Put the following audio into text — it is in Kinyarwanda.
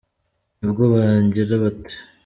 nibwo bagira bati